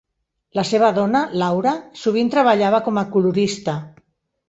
La seva dona, Laura, sovint treballava com a colorista.